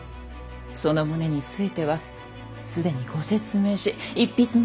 その旨については既にご説明し一筆も頂いておる。